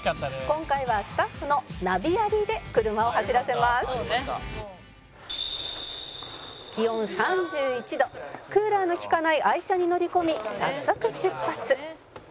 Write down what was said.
「今回はスタッフのナビありで車を走らせます」「クーラーの効かない愛車に乗り込み早速出発」